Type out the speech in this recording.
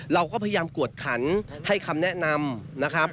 เราก็พยายามกวดขันให้คำแนะนำนะครับ